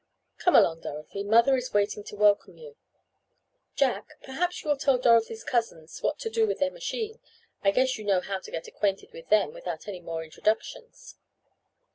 Come along Dorothy. Mother is waiting to welcome you. Jack, perhaps you will tell Dorothy's cousins what to do with their machine. I guess you know how to get acquainted with them without any more introductions."